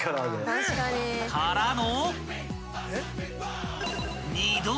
［からの］